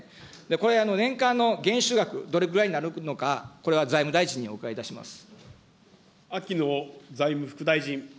これ、年間の減収額、どれぐらいになるのか、これは財務大臣にお伺いいたします。